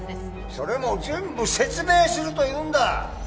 それも全部説明するというんだ！